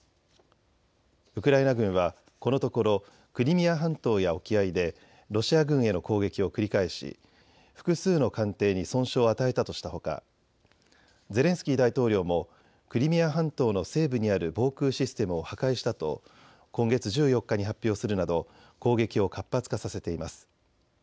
ウクライナ軍はこのところクリミア半島や沖合でロシア軍への攻撃を繰り返し複数の艦艇に損傷を与えたとしたほかゼレンスキー大統領もクリミア半島の西部にある防空システムを破壊したと今月１４日に発表するなど攻撃を活発化させています。